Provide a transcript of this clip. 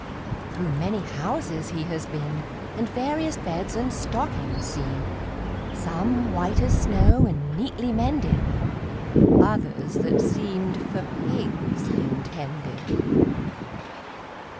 Through many houses he has been, And various beds and stockings seen; Some, white as snow, and neatly mended, Others, that seemed for pigs intended.